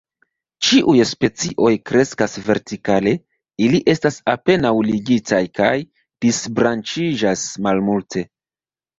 Ĉiuj specioj kreskas vertikale, ili estas apenaŭ ligitaj kaj disbranĉiĝas malmulte.